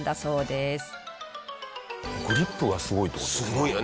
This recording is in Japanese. すごいよね。